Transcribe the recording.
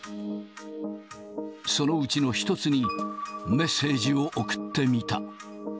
そのうちの１つにメッセージを送ってみた。